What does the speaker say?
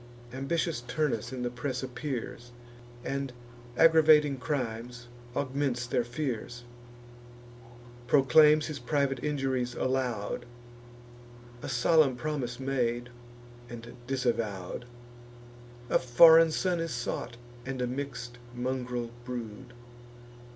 Ambitious Turnus in the press appears, And, aggravating crimes, augments their fears; Proclaims his private injuries aloud, A solemn promise made, and disavow'd; A foreign son is sought, and a mix'd mungril brood.